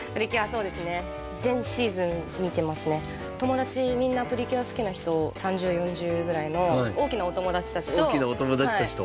そうですね全シーズン見てますね友達みんな「プリキュア」好きな人３０４０ぐらいの大きなお友達たちと大きなお友達たちと？